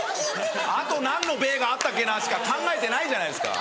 あと何の「ベ」があったっけなしか考えてないじゃないですか。